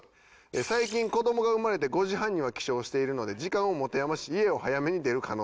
最近子どもが生まれて５時半には起床しているので時間を持て余し家を早めに出る可能性がある。